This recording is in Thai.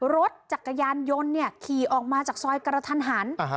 รถจักรยานยนต์ขี่ออกมาจากซอยกระทันหัน